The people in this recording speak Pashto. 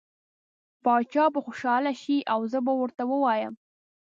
باچا به خوشحاله شي او زه به ورته ووایم.